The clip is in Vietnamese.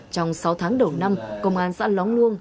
trong sáu tháng đầu năm công an xã lóng luông